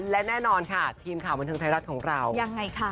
และแน่นอนค่ะทีมข่าวบันเทิงไทยรัฐของเรายังไงคะ